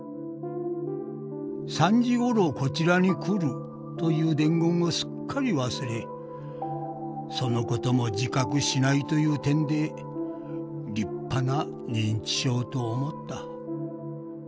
『３時ごろこちらに来る』という伝言をすっかり忘れそのことも自覚しないという点で立派な認知症と思った」。